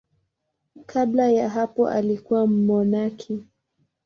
Kabla ya hapo alikuwa mmonaki.